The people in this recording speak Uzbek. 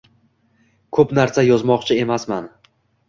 Ko‘p narsa yozmoqchi emasman.